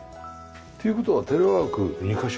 っていう事はテレワーク２カ所。